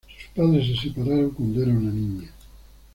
Sus padres se separaron cuando era una niña.